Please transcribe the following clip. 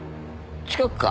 近くか？